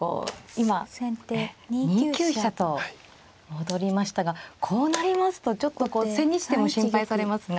今２九飛車と戻りましたがこうなりますとちょっと千日手も心配されますが。